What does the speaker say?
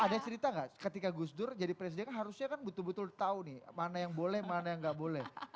ada cerita nggak ketika gus dur jadi presiden harusnya kan betul betul tahu nih mana yang boleh mana yang nggak boleh